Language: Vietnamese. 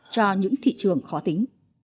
cho những thị trường khó tính